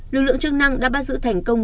lực lượng chức năng đã bắt giữ thành công